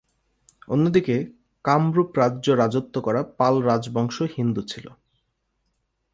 অন্যদিকে, কামরূপ রাজ্য রাজত্ব করা পাল রাজবংশ হিন্দু ছিল।